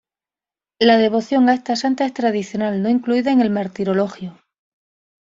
La devoción a esta santa es tradicional, no incluida en el Martirologio.